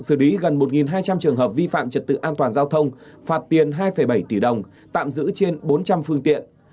trật tự an toàn giao thông phạt tiền hai bảy tỷ đồng tạm giữ trên bốn trăm linh phương tiện